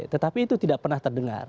tetapi itu tidak pernah terdengar